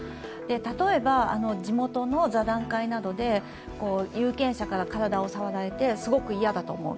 例えば地元の座談会などで有権者から体を触られて、すごくいやだと思う。